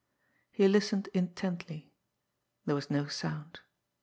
He listened intently. There was no sound.